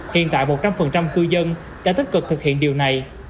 hiện tại một trăm linh cư dân đã tích cực thực hiện điều này